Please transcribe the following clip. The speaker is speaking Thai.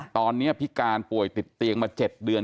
ตอนนี้พิการป่วยติดเตียงมา๗เดือน